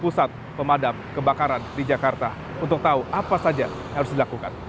pusat pemadam kebakaran di jakarta untuk tahu apa saja yang harus dilakukan